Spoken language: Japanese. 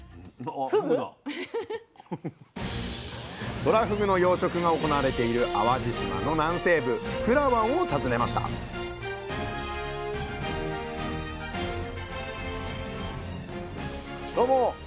とらふぐの養殖が行われている淡路島の南西部福良湾を訪ねましたどうも。